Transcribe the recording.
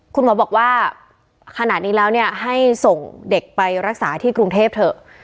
คุณหมอบอกว่าขนาดนี้แล้วเนี่ยให้ส่งเด็กไปรักษาที่กรุงเทพเถอะ